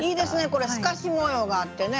これ透かし模様があってね。